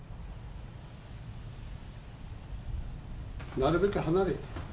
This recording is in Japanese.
なるべく離れて。